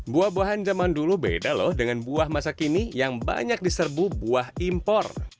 buah buahan zaman dulu beda loh dengan buah masa kini yang banyak diserbu buah impor